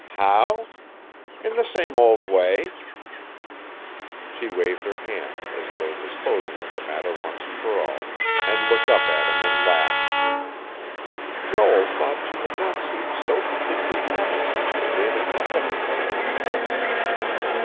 How? In the same old way." She waved her hand, as though disposing of the matter once and for all, and looked up at him, and laughed. Joel thought she had not seemed so completely happy since the day the cabin was finished.